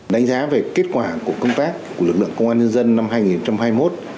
đánh giá về kết quả của công tác của lực lượng công an nhân dân năm hai nghìn hai mươi một